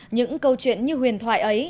những câu chuyện như huyền thoại ấy